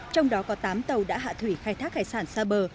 trong đó có tám tàu đã hạ thủy khai thác hải sản xa bờ